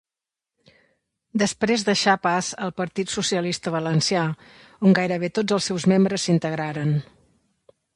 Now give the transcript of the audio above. Després deixà pas al Partit Socialista Valencià, on gairebé tots els seus membres s'integraren.